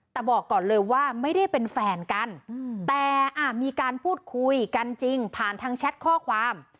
แต่บอกก่อนเลยว่าไม่ได้เป็นแฟนกันแต่มีการพูดคุยกันจริงผ่านทางแชทข้อความ